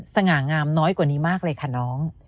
สง่างามน้อยกว่านี้มากเลยค่ะน้อง